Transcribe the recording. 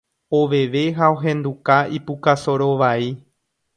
oveve ha ohenduka ipuka soro vai